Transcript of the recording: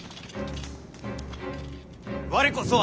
我こそは。